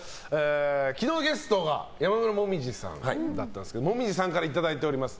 昨日ゲストが山村紅葉さんだったんですけど紅葉さんからいただいております